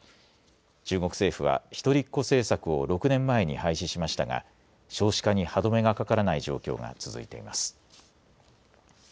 中国政府は、一人っ子政策を６年前に廃止しましたが、少子化に歯止めがかからない状況が続いています。